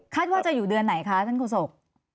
ว่าจะอยู่เดือนไหนคะท่านโฆษก